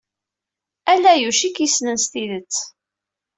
Ala Yuc ay k-yessnen s tidet.